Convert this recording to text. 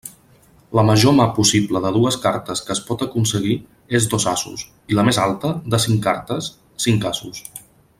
La major «mà» possible de dues cartes que es pot aconseguir és dos asos, i la més alta de cinc cartes, cinc asos.